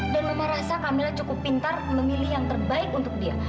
dan mama rasa kamila cukup pintar memilih yang terbaik untuk dia